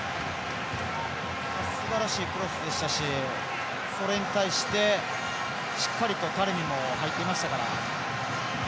すばらしいクロスでしたしそれに対してしっかりとタレミも入っていましたから。